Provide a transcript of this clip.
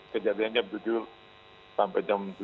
kejadiannya tujuh sampai jam tujuh tiga puluh